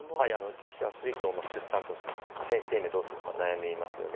女子アスリートは出産と、選手生命をどうするのか悩みますよね。